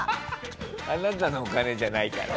あなたのお金じゃないから。